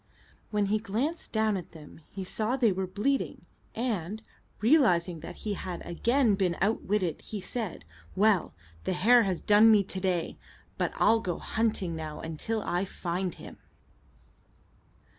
When he glanced down at them he saw they were bleeding, and, realizing that he had again been outwitted, he said, "Well, the hare has done me to day, but I'll go hunting now until I find him."